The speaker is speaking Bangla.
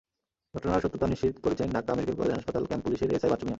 ঘটনার সত্যতা নিশ্চিত করেছেন ঢাকা মেডিকেল কলেজ হাসপাতাল ক্যাম্প পুলিশের এসআই বাচ্চু মিয়া।